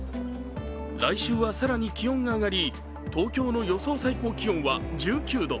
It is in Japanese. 来週は更に気温が上がり、東京の予想最高気温は１９度。